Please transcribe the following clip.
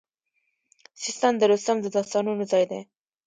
سیستان د رستم د داستانونو ځای دی